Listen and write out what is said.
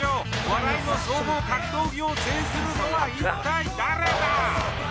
笑いの総合格闘技を制するのは一体、誰だ！